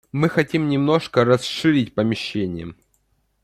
Мы хотим немножко расширить помещение